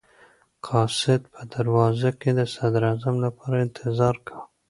قاصد په دروازه کې د صدراعظم لپاره انتظار کاوه.